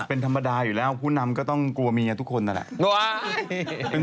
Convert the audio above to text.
เป็นธรรมดาอยู่แล้วผู้นำก็ต้องกลัวเมียทุกคนนั่นแหละ